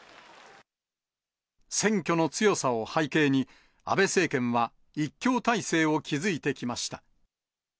選挙の強さを背景に、安倍政権は一強体制を築いてきました。